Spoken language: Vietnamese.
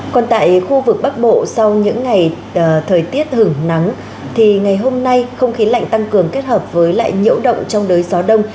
còn tại khu vực bắc bộ sau những ngày thời tiết hứng nắng thì ngày hôm nay không khí lạnh tăng cường kết hợp với lại nhiễu động trong đới gió đông